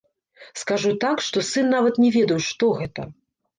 Скажу так, што сын нават не ведаў, што гэта.